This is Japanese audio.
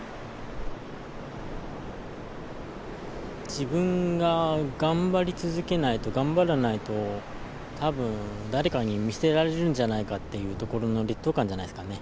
自分が頑張り続けないと頑張らないと多分誰かに見捨てられるんじゃないかというところの劣等感じゃないですかね。